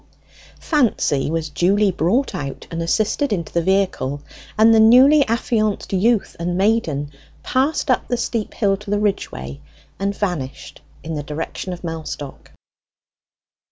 Fancy was duly brought out and assisted into the vehicle, and the newly affianced youth and maiden passed up the steep hill to the Ridgeway, and vanished in the direction of Mellstock.